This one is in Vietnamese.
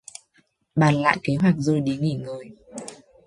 Bàn lại kế hoạch rồi đi nghỉ ngơi